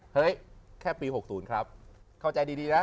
เฮ้ยแค่ปี๖๐ครับเข้าใจดีนะ